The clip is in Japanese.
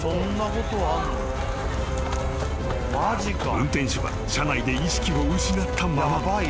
［運転手は車内で意識を失ったまま］